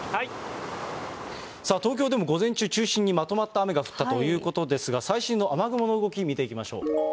東京でも午前中中心にまとまった雨が降ったということですが、最新の雨雲の動き見ていきましょう。